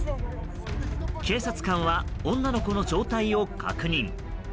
警察官は女の子の状態を確認。